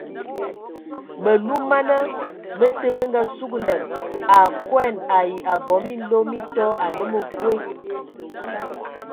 Məluməna mə te mə ngasugəlan a koɛn ai abɔ minlo mi tɔ anə məkwe.